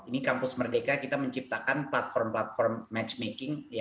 ini kampus merdeka kita menciptakan platform platform matchmaking